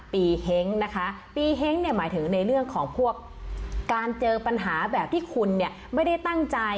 เฮ้งนะคะปีเฮ้งเนี่ยหมายถึงในเรื่องของพวกการเจอปัญหาแบบที่คุณเนี่ยไม่ได้ตั้งใจ